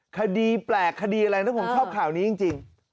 คดีแปลกคดีอะไรนะผมชอบข่าวนี้จริง